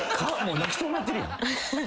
泣きそうになってるやん。